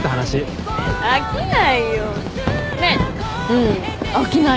うん。飽きないね。